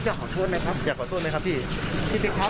ที่เหลือคือผู้ต้องหาในขบวนการพักพวกของบังฟิศกิบหลีแล้วก็บังหนีทั้งหมด